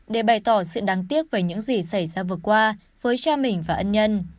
để bày tỏ sự đáng tiếc về những gì xảy ra vừa qua với cha mình và ân nhân